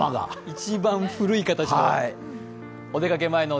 一番古い形の。